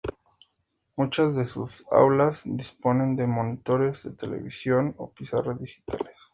Muchas de sus aulas disponen de monitores de televisión o pizarras digitales.